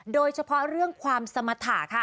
โดยเฉพาะเรื่องความสมรรถาค่ะ